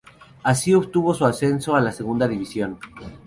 Así obtuvo su ascenso a la Segunda División.